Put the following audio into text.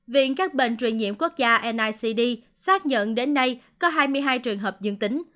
viện các bệnh truyền nhiễm quốc gia nicd xác nhận đến nay có hai mươi hai trường hợp dương tính